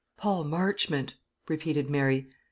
"Paul Marchmont!" repeated Mary.